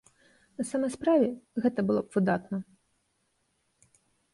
На самай справе, гэта было б выдатна.